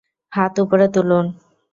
হাত উপরে তুলুন।